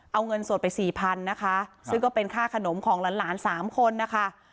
เอาเงินสดไปสี่พันนะคะซึ่งก็เป็นค่าขนมของหลานสามคนนะคะ